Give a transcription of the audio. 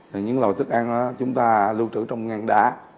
thì những loại thức ăn chúng ta luôn trụ trong ngang đá